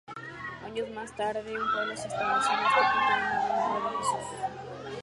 Años más tarde, un pueblo se estableció en este punto llamado "Nombre de Jesús".